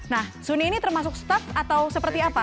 nah suni ini termasuk staff atau seperti apa